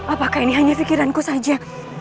apakah ini hanya pikiran ku saja